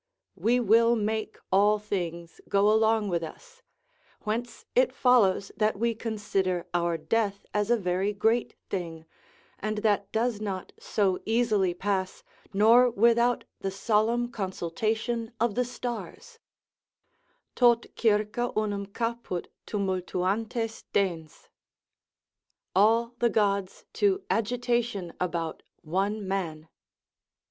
] We will make all things go along with us; whence it follows that we consider our death as a very great thing, and that does not so easily pass, nor without the solemn consultation of the stars: "Tot circa unum caput tumultuantes dens," ["All the gods to agitation about one man."